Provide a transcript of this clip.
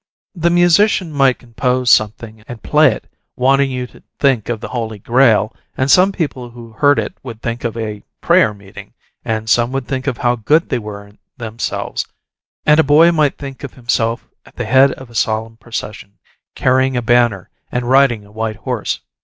The musician might compose something and play it, wanting you to think of the Holy Grail, and some people who heard it would think of a prayer meeting, and some would think of how good they were themselves, and a boy might think of himself at the head of a solemn procession, carrying a banner and riding a white horse.